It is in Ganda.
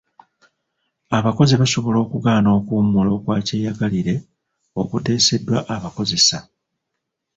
Abakozi basobola okugaana okuwummula okwakyeyagalire okuteeseddwa abakozesa.